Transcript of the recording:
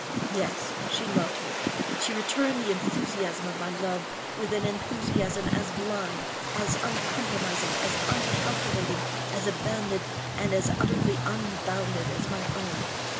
Yes, she loved me—she returned the enthusiasm of my love, with an enthusiasm as blind—as uncompromising—as uncalculating—as abandoned—and as utterly unbounded as my own!